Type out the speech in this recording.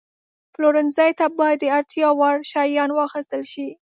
پلورنځي ته باید د اړتیا وړ شیان واخیستل شي.